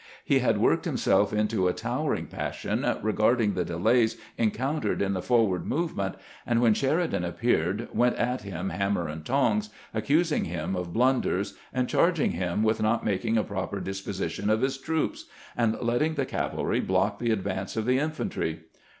He had worked MmseE into a towering passion regarding the delays encountered in the forward movement, and when Sheridan appeared went at him hammer and tongs, ac cusing him of blunders, and charging him with not making a proper disposition of his troops, and letting the cavalry block the advance of the infantry.